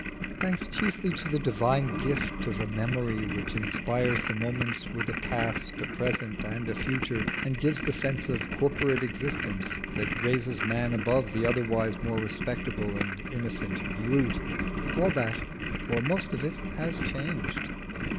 Thanks chiefly to the divine gift of a memory which inspires the moments with a past, a present, and a future, and gives the sense of corporate existence that raises man above the otherwise more respectable and innocent brute, all that, or most of it, is changed.